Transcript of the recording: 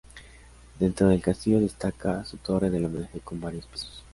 Dentro del castillo destaca, su torre del homenaje con varios pisos.